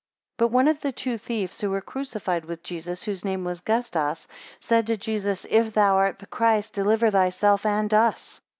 10 But one of the two thieves who were crucified with Jesus, whose name was Gestas, said to Jesus, If thou art the Christ, deliver thyself and us.